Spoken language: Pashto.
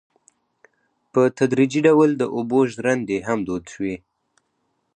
په تدریجي ډول د اوبو ژرندې هم دود شوې.